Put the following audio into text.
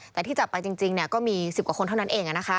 แต่ที่จับไปจริงก็มี๑๐กว่าคนเท่านั้นเอง